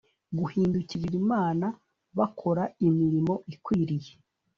Guhindukirira imana bakora imirimo ikwiriye